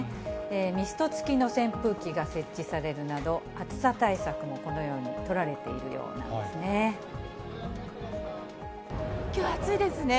ミスト付きの扇風機が設置されるなど、暑さ対策もこのように取らきょう暑いですね。